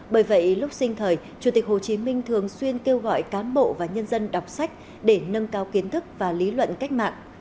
bởi vậy lúc sinh thời chủ tịch hồ chí minh thường xuyên kêu gọi cán bộ và nhân dân đọc sách để nâng cao kiến thức và lý luận cách mạng